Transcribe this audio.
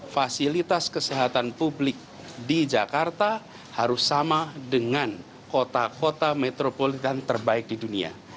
fasilitas kesehatan publik di jakarta harus sama dengan kota kota metropolitan terbaik di dunia